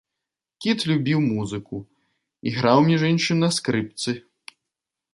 Кіт любіў, музыку, іграў, між іншым, на скрыпцы.